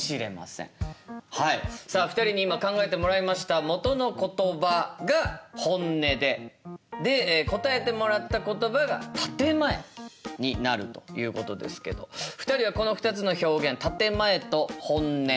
はいさあ２人に今考えてもらいましたもとの言葉が「本音」でで答えてもらった言葉が「建て前」になるということですけど２人はこの２つの表現「建て前」と「本音」。